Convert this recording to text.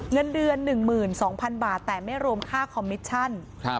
เงินเดือน๑๒๐๐๐บาทแต่ไม่รวมค่าคอมมิชชั่น